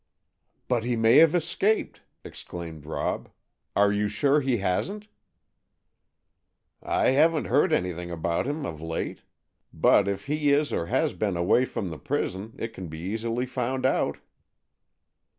"But he may have escaped," exclaimed Rob. "Are you sure he hasn't?" "I haven't heard anything about him of late; but if he is or has been away from the prison, it can be easily found out."